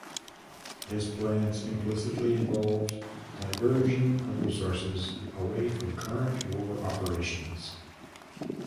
His plans implicitly involved diversion of resources away from current war operations.